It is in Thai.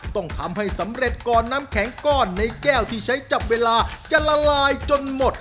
ต้องทำให้สำเร็จก่อนน้ำแข็งก้อนในแก้วที่ใช้จับเวลาจะละลายจนหมด